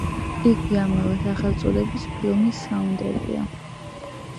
იგი ამავე სახელწოდების ფილმის საუნდტრეკია.